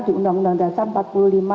di undang undang dasar empat puluh lima